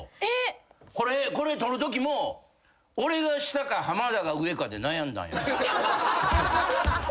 これ撮るときも俺が下か浜田が上かで悩んだ。